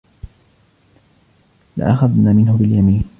لَأَخَذْنَا مِنْهُ بِالْيَمِينِ